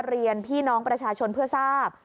เรียนพี่น้องประชาชนเพื่อทราบ